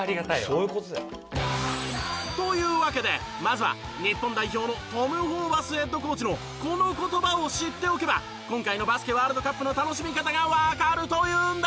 そういう事だよ。というわけでまずは日本代表のトム・ホーバスヘッドコーチのこの言葉を知っておけば今回のバスケワールドカップの楽しみ方がわかるというんです！